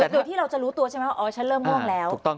โดยที่เราจะรู้ตัวใช่ไหมว่าอ๋อฉันเริ่มง่วงแล้ว